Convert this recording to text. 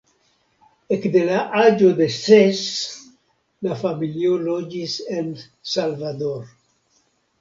Ekde la aĝo de ses la familio loĝis en Salvador.